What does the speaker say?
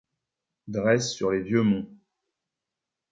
Dresse sur les vieux monts